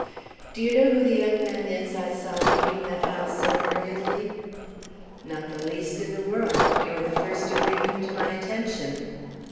"Do you know who the young man is I saw leaving that house so hurriedly?" "Not the least in the world. You are the first to bring him to my attention."